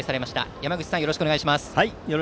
山口さん、よろしくお願いします。